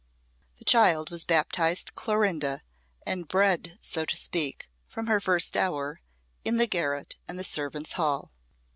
The child was baptized Clorinda, and bred, so to speak, from her first hour, in the garret and the servants' hall.